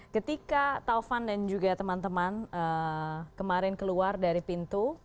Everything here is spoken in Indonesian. ketika taufan dan juga teman teman kemarin keluar dari pintu